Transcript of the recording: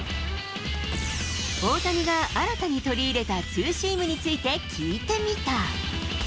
大谷が新たに取り入れたツーシームについて聞いてみた。